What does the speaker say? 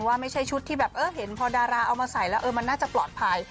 ว่าไม่ใช่ชุดที่แบบเห็นพอดาราเอามาใส่แล้วเออมันน่าจะปลอดภัย